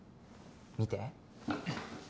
見て。